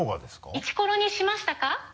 イチコロにしましたか？